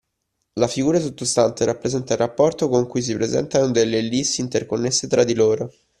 La figura sottostante rappresenta il rapporto con cui si presentano delle ellissi interconnesse tra di loro